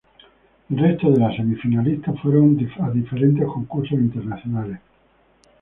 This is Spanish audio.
El resto de la semifinalista fueron a diferente concurso internacionales.